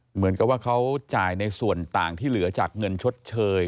เหมือนกับว่าเขาจ่ายในส่วนต่างที่เหลือจากเงินชดเชย